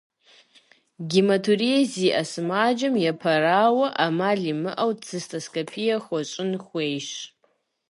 Гематурие зиӏэ сымаджэм, япэрауэ, ӏэмал имыӏэу цистоскопие хуэщӏын хуейщ.